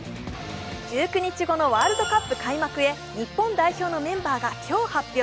１９日後のワールドカップ開幕へ、日本代表のメンバーが今日発表。